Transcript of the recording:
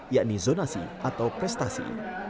yakni zonasi atau prestasi